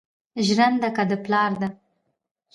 ژرنده که د پلار ده